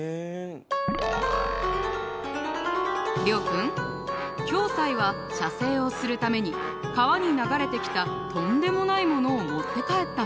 君暁斎は写生をするために川に流れてきたとんでもないものを持って帰ったの。